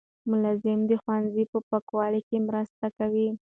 ملازم د ښوونځي په پاکوالي کې مرسته کوي.